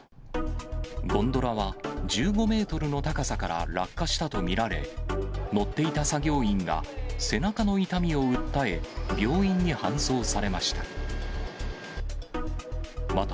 ゴンドラは１５メートルの高さから落下したと見られ、乗っていた作業員が背中の痛みを訴え、病院に搬送されました。